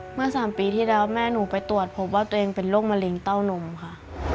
เมื่อ๓ปีที่แล้วแม่หนูไปตรวจพบว่าตัวเองเป็นโรคมะเร็งเต้านมค่ะ